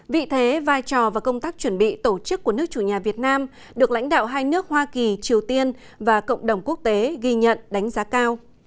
vị thế vai trò và công tác chuẩn bị tổ chức của nước chủ nhà việt nam được lãnh đạo hai nước hoa kỳ triều tiên và cộng đồng quốc tế ghi nhận đánh giá cao